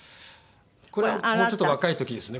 これはもうちょっと若い時ですね